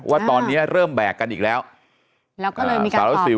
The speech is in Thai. ว่าตอนนี้เริ่มแบกกันอีกแล้วแล้วก็เลยมีการตอบกลับไป